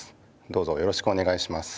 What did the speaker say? どうぞよろしくおねがいします。